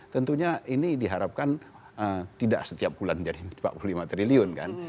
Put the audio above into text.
tentunya ini diharapkan tidak setiap bulan jadi empat puluh lima triliun kan